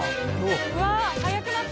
うわ速くなった。